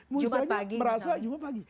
misalnya merasa jumat pagi